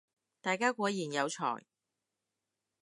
大家果然有才